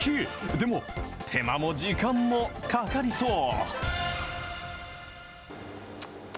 でも、手間も時間もかかりそう。